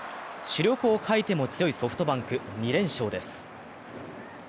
主力を欠いても強いソフトバンク２連勝です。